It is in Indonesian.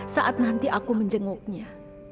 saat nanti aku menjenguknya